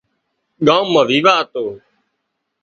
ڳام مان ويواه هتو